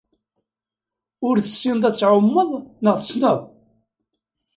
Ur tessineḍ ad tɛumeḍ, neɣ tessneḍ?